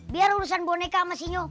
biar urusan boneka mas sinyo